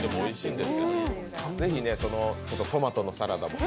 ぜひトマトのサラダも。